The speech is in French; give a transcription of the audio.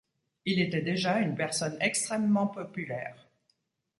Il était déjà une personne extrêmement populaire.